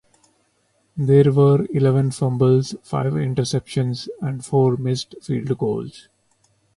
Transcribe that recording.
There were eleven fumbles, five interceptions, and four missed field goals.